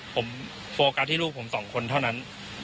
ผมโฟกัสที่ลูกผมสองคนเท่านั้น